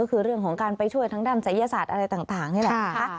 ก็คือเรื่องของการไปช่วยทางด้านศัยศาสตร์อะไรต่างนี่แหละนะคะ